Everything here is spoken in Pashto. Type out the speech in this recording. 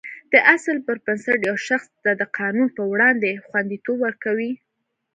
دا اصل پر بنسټ یو شخص ته د قانون په وړاندې خوندیتوب ورکوي.